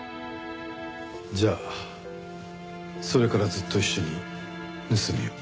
じゃあそれからずっと一緒に盗みを？